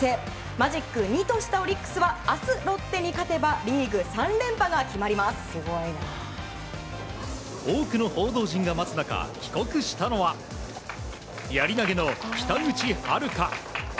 マジック２としたオリックスは明日ロッテに勝てば多くの報道陣が待つ中帰国したのはやり投げの北口榛花。